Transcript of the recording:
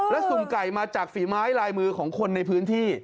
และสุ่มไก่มาจากฝีไม้ลายมือของคนในพื้นที่